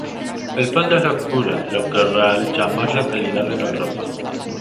El fondo es oscuro, lo que realza más la calidad de las ropas.